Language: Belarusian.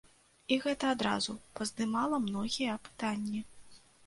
І гэта адразу паздымала многія пытанні.